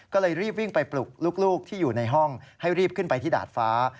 ก็เลยรีบวิ่งไปปลุกลูกที่อยู่ในห้องให้รีบขึ้นไปที่ดาดฟ้า